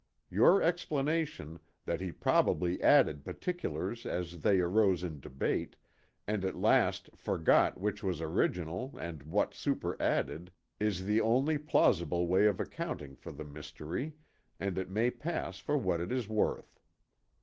Your explanation, that he probably added particulars as they arose in debate, and at last forgot which was original and what superadded, is the only plausible way of accounting for the mystery, and it may pass for what it is worth.